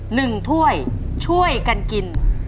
หนึ่งถ้วยช่วยกันกิน